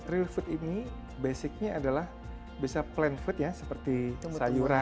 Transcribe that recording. real food ini basicnya adalah bisa plant food ya seperti sayuran tumbuhan dan juga hewani